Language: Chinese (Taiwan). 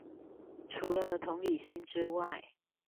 除了同理心之外